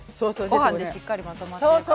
ご飯でしっかりまとまってるから。